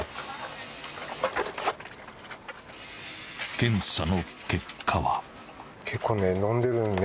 ［検査の結果は］